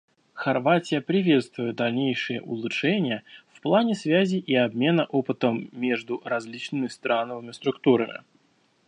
Хорватия приветствует дальнейшие улучшения в плане связи и обмена опытом между различными страновыми структурами.